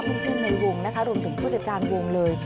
พูดเพลงในวงนะคะหลวงถึงผู้จัดการวงเลย